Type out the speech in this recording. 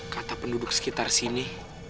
kata penduduk sekitar sini